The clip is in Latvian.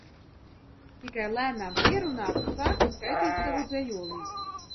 Tikai lēnām pierunāta sāka skaitīt savu dzejolīti.